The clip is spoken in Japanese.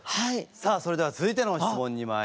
さあそれでは続いての質問にまいりますよ。